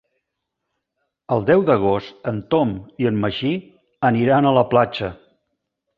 El deu d'agost en Tom i en Magí aniran a la platja.